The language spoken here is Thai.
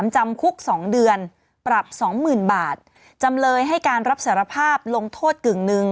จำคุกสองเดือนปรับสองหมื่นบาทจำเลยให้การรับสารภาพลงโทษกึ่งหนึ่ง